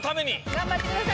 頑張ってください！